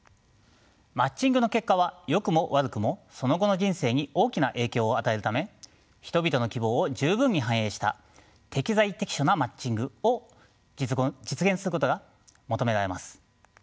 マッチングの結果はよくも悪くもその後の人生に大きな影響を与えるため人々の希望を十分に反映した適材適所なマッチングを実現することが求められます。